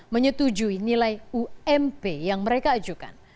menyetujui nilai ump yang mereka ajukan